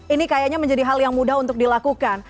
ini kayaknya menjadi hal yang mudah untuk dilakukan